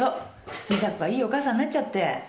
美佐子はいいお母さんになっちゃって。